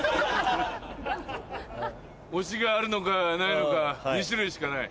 オチがあるのかないのか２種類しかない。